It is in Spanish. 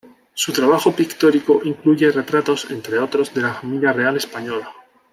Su trabajo pictórico incluye retratos entre otros de la familia real española.